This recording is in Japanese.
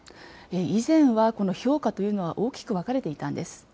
以前はこの評価というのは、大きく分かれていたんです。